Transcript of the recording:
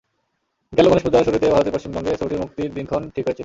গেল গণেশ পূজার শুরুতে ভারতের পশ্চিমবঙ্গে ছবিটির মুক্তির দিনক্ষণ ঠিক হয়েছিল।